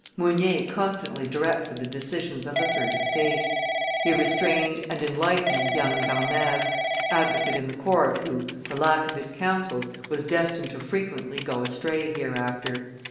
Mounier constantly directed the decisions of the third (estate); he restrained and enlightened young Barnave, advocate in the court, who, for lack of his counsels, was destined to frequently go astray hereafter.